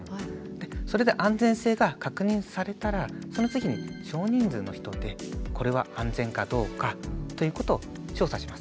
それで安全性が確認されたらその次に少人数の人でこれは安全かどうかということを調査します。